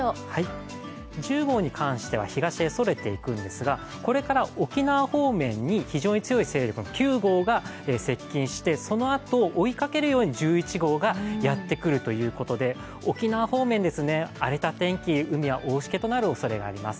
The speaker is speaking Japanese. １０号に関しては東にそれていくんですがこれから沖縄方面に非常に強い勢力の９号が接近して、そのあと、追いかけるように１１号がやってくるということで沖縄方面、荒れた天気、海は大しけとなるおそれがあります。